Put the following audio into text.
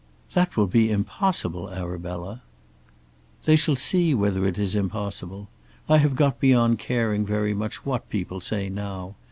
"That will be impossible, Arabella." "They shall see whether it is impossible. I have got beyond caring very much what people say now.